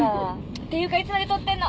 っていうかいつまで撮ってんの！